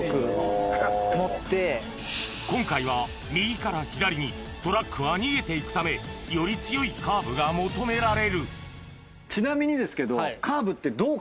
今回は右から左にトラックは逃げて行くためより強いカーブが求められるちなみにですけど。